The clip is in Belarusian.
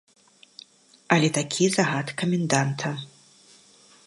Але такі загад каменданта.